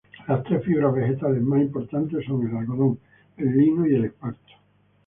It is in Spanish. Las tres fibras vegetales más importantes son el algodón, el lino y el esparto.